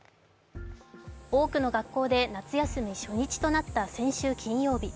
多くの学校で夏休み初日となった先週金曜日。